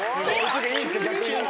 いいんですか逆に。